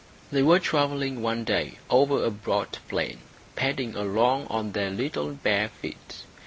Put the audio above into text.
] They were travelling one day over a broad plain, padding along on their little bare feet.